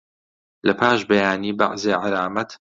لەپاش بەیانی بەعزێ عەلامەت